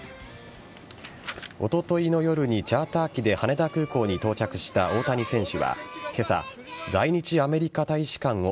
おとといの夜にチャーター機で羽田空港に到着した大谷選手は今朝在日アメリカ大使館を